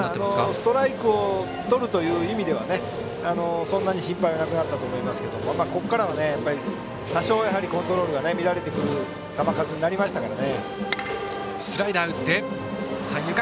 ストライクをとるという意味ではそんなに心配なくなったと思いますけどもここからは多少コントロールが乱れてくる球数になったので。